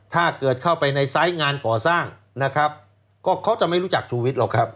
ถ้าเกิดเข้าไปไซซ์งานก่อสร้างก็เขาจะไม่รู้จักชูวิตหรอกครับ